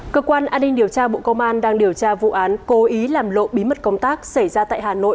cơ quan an ninh điều tra bộ công an đang điều tra vụ án cố ý làm lộ bí mật công tác xảy ra tại hà nội